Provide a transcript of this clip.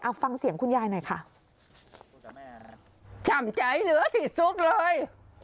เอาฟังเสียงคุณยายหน่อยค่ะช่ำใจเหลือที่สุดเลย